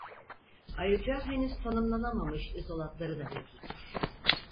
Ayrıca henüz tanımlanamamış izolatları da mevcuttur.